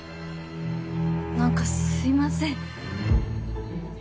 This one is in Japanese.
何かすいません。